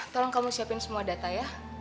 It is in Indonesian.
tolong kamu siapin semua data ya